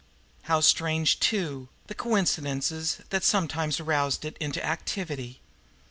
How strange, too, the coincidences that sometimes roused it into activity!